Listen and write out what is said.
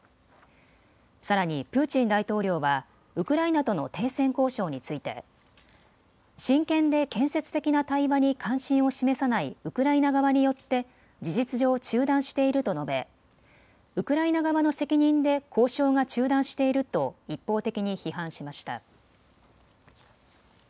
さらにプーチン大統領はウクライナとの停戦交渉について真剣で建設的な対話に関心を示さないウクライナ側によって事実上、中断していると述べウクライナ側の責任で交渉が中断していると一方的に批判しました。